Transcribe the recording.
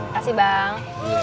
terima kasih bang